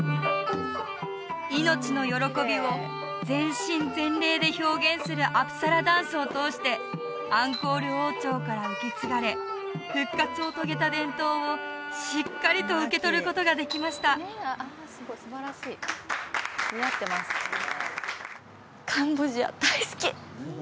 命の喜びを全身全霊で表現するアプサラダンスを通してアンコール王朝から受け継がれ復活を遂げた伝統をしっかりと受け取ることができましたカンボジア大好き！